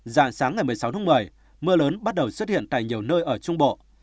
dạng sáng ngày một mươi sáu tháng một mươi mưa lớn bắt đầu xuất hiện tại nhiều nơi ở trung bộ